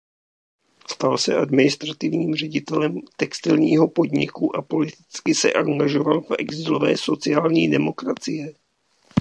Stal se administrativním ředitelem textilního podniku a politicky se angažoval v exilové sociální demokracie.